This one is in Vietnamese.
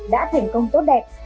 đã thành công tốt đẹp